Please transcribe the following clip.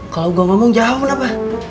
kalau gue ngomong jauh kenapa